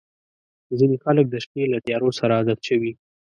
• ځینې خلک د شپې له تیارو سره عادت شوي.